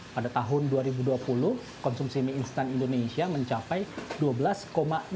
pada tahun dua ribu dua puluh konsumsi mie instan indonesia mencapai dua belas lima juta